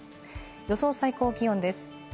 予想最高気温です。